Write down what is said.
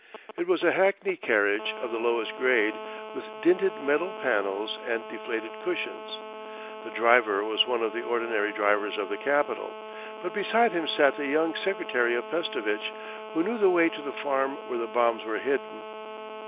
It was a hackney carriage of the lowest grade, with dinted metal panels and deflated cushions. The driver was one of the ordinary drivers of the capital, but beside him sat the young secretary of Pestovitch, who knew the way to the farm where the bombs were hidden.